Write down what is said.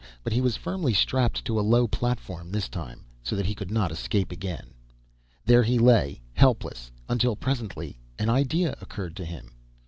But he was firmly strapped to a low platform this time, so that he could not escape again. There he lay, helpless, until presently an idea occurred to him.